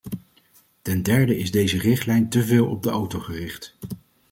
Ten derde is deze richtlijn te veel op de auto gericht.